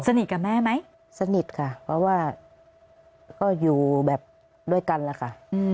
กับแม่ไหมสนิทค่ะเพราะว่าก็อยู่แบบด้วยกันแหละค่ะ